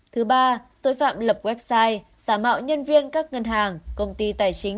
thứ ba tội phạm lập website giả mạo nhân viên các ngân hàng công ty tài chính